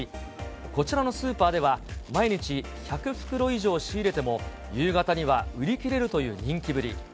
こちらのスーパーでは、毎日１００袋以上仕入れても、夕方には売り切れるという人気ぶり。